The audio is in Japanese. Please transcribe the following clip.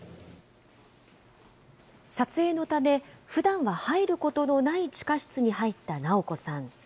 撮影のため、ふだんは入ることのない地下室に入った直子さん。